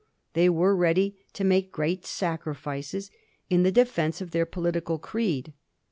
They were ready to make great sacrifices in the defence of their political creed.